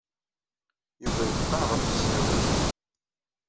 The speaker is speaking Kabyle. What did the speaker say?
Yuba yefqeɛ ɣef yisnawiyen.